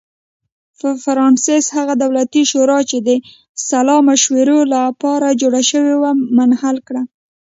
فرانسس هغه دولتي شورا چې د سلا مشورو لپاره جوړه شوې وه منحل کړه.